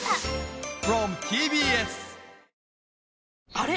あれ？